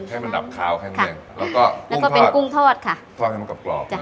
ให้มันดับขาวแค่นั้นเองแล้วก็แล้วก็เป็นกุ้งทอดค่ะทอดให้มันกรอบกรอบ